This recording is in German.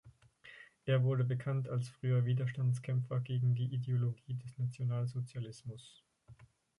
Er wurde bekannt als früher Widerstandskämpfer gegen die Ideologie des Nationalsozialismus.